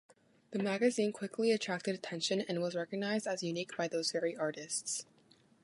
The magazine quickly attracted attention and was recognized as unique by those very artists.